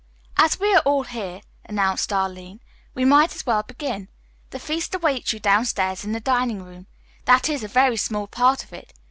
"As we are all here," announced Arline, "we might as well begin. The feast awaits you downstairs in the dining room; that is, a very small part of it.